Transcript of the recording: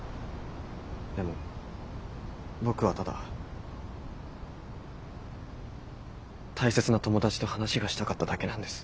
でも僕はただ大切な友達と話がしたかっただけなんです。